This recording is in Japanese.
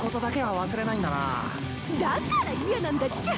だから嫌なんだっちゃ。